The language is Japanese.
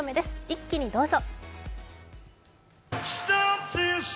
一気にどうぞ。